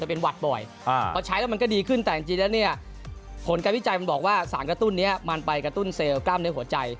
เป็นหวัดบ่อยพอใช้แล้วมันก็ดีขึ้นแต่จริงแล้วเนี่ยผลการวิจัยมันบอกว่าสารกระตุ้นนี้มันไปกระตุ้นเซลล์กล้ามเนื้อหัวใจ